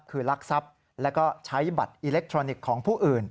คือลักทรัพย์แล้วก็ใช้บัตรอิเล็กทรอนิกส์ของผู้อื่น